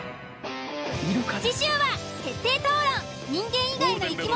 次週は徹底討論